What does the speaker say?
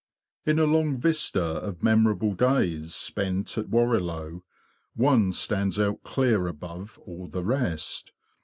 In a long vista of memorable days spent at Warrilow, one stands out clear above all the rest.